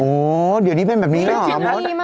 โอ้โหเดี๋ยวนี้เป็นแบบนี้เลยเหรอมด